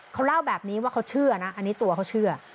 เขาเล่าแบบนี้ว่าเขาเชื่อนะอันนี้ตัวเขาเชื่อ